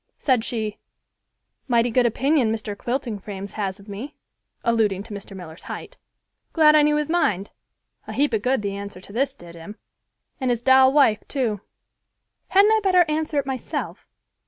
Said she, "Mighty good opinion Mr. Quilting frames has of me (alluding to Mr. Miller's height), glad I know his mind. A heap of good the answer to this did him, and his doll wife, too. Hadn't I better answer it myself?